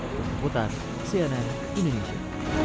berkeputar cnn indonesia